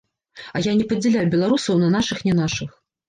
А я не падзяляю беларусаў на нашых-нянашых.